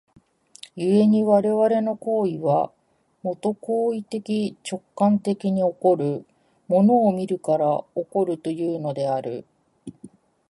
故に我々の行為は、もと行為的直観的に起こる、物を見るから起こるというのである。